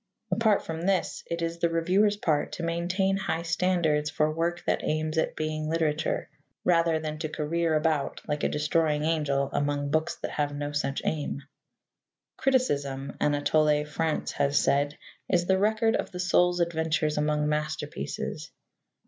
Apart from this, it is the reviewer's part to maintain high standards for work that aims at being literature, rather than to career about, like a destroying angel, among books that have no such aim. Criticism, Anatole France has said, is the record of the soul's adventures among masterpieces.